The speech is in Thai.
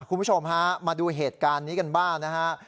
คุณผู้ชมฮะมาดูเหตุการณ์นี้กันบ้างนะฮะ